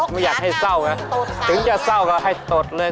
ไม่อยากให้เศร้านะถึงจะเศร้าก็ให้ตดเลย